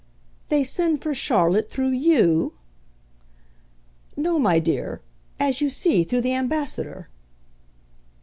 "They send for Charlotte through YOU?" "No, my dear; as you see, through the Ambassador."